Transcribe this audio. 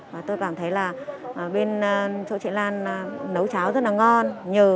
và tôi cảm thấy là bên chỗ chị lan nấu cháo rất là ngon nhờ